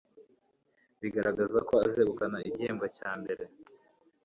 Bigaragara ko azegukana igihembo cya mbere